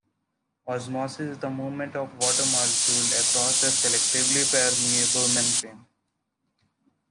Osmosis is the movement of water molecules across a selectively permeable membrane.